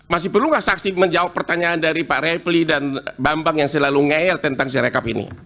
masih perlu gak saksi menjawab pertanyaan dari pak reply dan bambang yang selalu ngeel tentang si rekap ini